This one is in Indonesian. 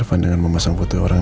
reina nggak mungkin mau ada ngada